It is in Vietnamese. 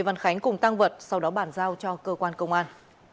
văn khánh cùng tăng vật sau đó bàn giao cho cơ quan công an